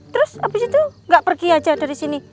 terus abis itu gak pergi aja dari sini